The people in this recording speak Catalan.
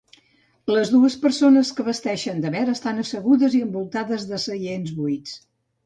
Les dues persones que vesteixen de verd estan assegudes i envoltades de seients buits.